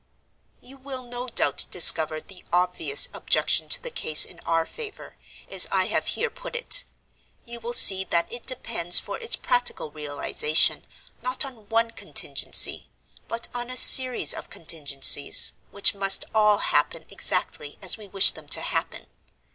"You will no doubt discover the obvious objection to the case in our favor, as I have here put it. You will see that it depends for its practical realization not on one contingency, but on a series of contingencies, which must all happen exactly as we wish them to happen.